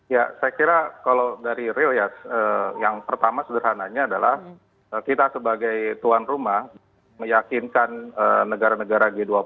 ya saya kira kalau dari real ya yang pertama sederhananya adalah kita sebagai tuan rumah meyakinkan negara negara g dua puluh